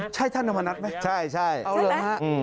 ใช่ท่านธรรมนัสไหมใช่เอาเริ่มฮะอืม